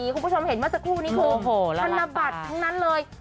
คุณผู้ชมเห็นเมื่อสักครู่นี้คือธนบัตรทั้งนั้นเลย